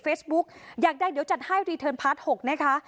เฟซบุ๊กอยากได้เดี๋ยวจัดให้พาร์ทหกนะคะ